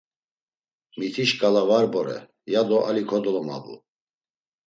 Miti şkala var bore ya do ali kodolomabu.